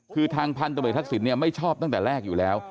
คือทางพันธบทักษิณไม่ชอบตั้งแต่แรกอยู่แล้ว